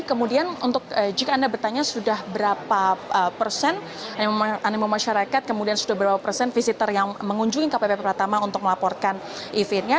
kemudian untuk jika anda bertanya sudah berapa persen animo masyarakat kemudian sudah berapa persen visitor yang mengunjungi kpp pertama untuk melaporkan eventnya